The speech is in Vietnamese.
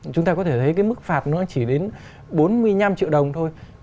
chúng ta có thể thấy cái mức phạt nó chỉ đến bốn mươi năm triệu đồng thôi